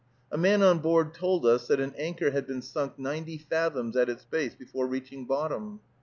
A man on board told us that an anchor had been sunk ninety fathoms at its base before reaching bottom!